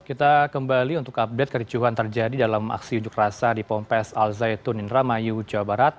kita kembali untuk update kericuhan terjadi dalam aksi unjuk rasa di pompes al zaitun indramayu jawa barat